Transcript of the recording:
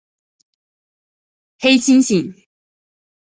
黑猩猩。